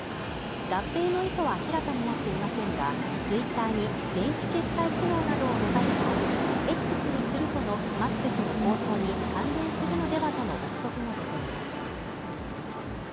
合併の意図は明らかになっていませんが、Ｔｗｉｔｔｅｒに電子決済機能などを持たせたアプリＸにするとのマスク氏の構想に関連するのではとの憶測も出ています。